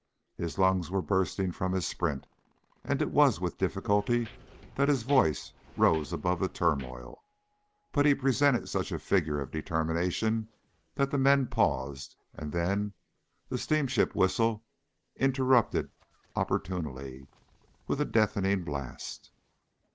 His lungs were bursting from his sprint, and it was with difficulty that his voice rose above the turmoil; but he presented such a figure of determination that the men paused, and then the steamship whistle interrupted opportunely, with a deafening blast.